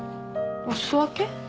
お裾分け？